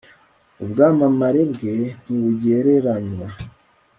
ubwamamare bwe ntibugereranywa